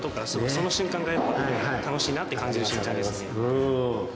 その瞬間がやっぱりもう楽しいなって感じる瞬間ですね。